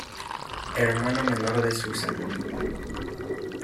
Hermano menor de Susan.